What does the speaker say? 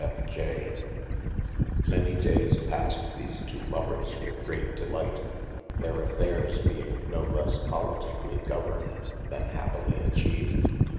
F. J. MAny dayes passed these two lovers with great delight, their afrayres being no lesse politiquely governed, then happilye atchived.